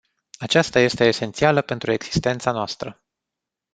Aceasta este esențială pentru existența noastră.